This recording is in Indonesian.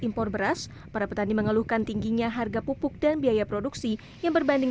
impor beras para petani mengeluhkan tingginya harga pupuk dan biaya produksi yang berbanding